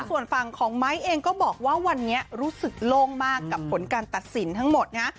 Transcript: ส่วนฝั่งของไม้เองก็บอกว่าวันนี้รู้สึกโล่งมากกับผลการตัดสินทั้งหมดนะฮะ